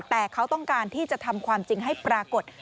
แต่เขาต้องการที่จะทำความจริงให้ปรากฏ